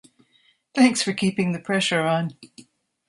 Thanks for keeping the pressure on!